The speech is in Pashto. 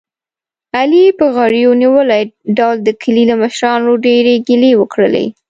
علي په غرېو نیولي ډول د کلي له مشرانو ډېرې ګیلې وکړلې.